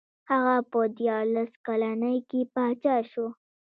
هغه په دیارلس کلنۍ کې پاچا شو.